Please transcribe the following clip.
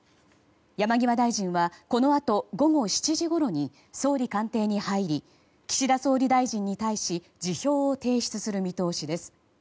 山際大臣はこのあと午後７時ごろに総理官邸に入り岸田総理大臣に対し辞表を提出する見通しです。